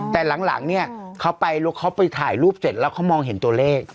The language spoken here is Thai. แต่หลังเนี่ยเขาไปแล้วเขาไปถ่ายรูปเสร็จแล้วเขามองเห็นตัวเลข